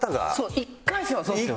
１回戦はそうですよね。